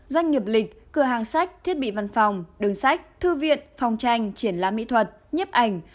doanh nghiệp lịch cửa hàng sách thiết bị văn phòng đường sách thư viện phòng tranh triển lãm mỹ thuật nhếp ảnh